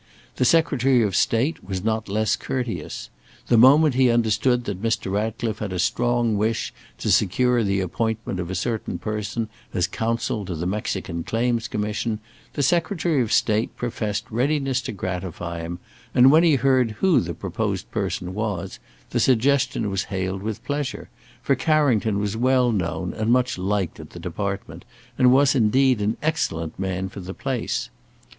The Secretary of State was not less courteous. The moment he understood that Mr. Ratcliffe had a strong wish to secure the appointment of a certain person as counsel to the Mexican claims commission, the Secretary of State professed readiness to gratify him, and when he heard who the proposed person was, the suggestion was hailed with pleasure, for Carrington was well known and much liked at the Department, and was indeed an excellent man for the place.